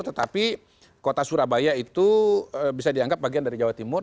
tetapi kota surabaya itu bisa dianggap bagian dari jawa timur